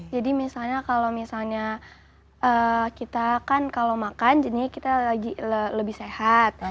jadi misalnya kalau misalnya kita kan kalau makan jadinya kita lagi lebih sehat